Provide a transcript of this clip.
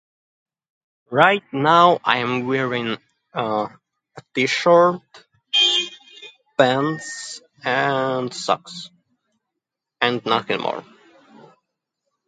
Right now I'm wearing, uh, a T-shirt, pants, and socks. And nothing more.